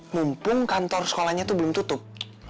mumpung kantor sekolahnya itu belum tutup